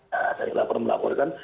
nah saling lapor melapor kan